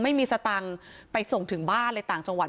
ไม่มีสตังค์ไปส่งถึงบ้านเลยต่างจังหวัด